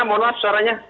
oke mohon maaf suaranya